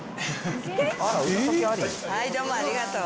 どうもありがとう。